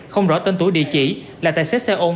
không rõ tên tuổi địa chỉ là tài xế xe ôn